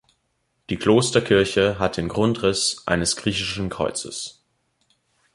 Die Klosterkirche hat den Grundriss eines griechischen Kreuzes.